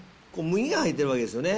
麦が入ってるわけですよね。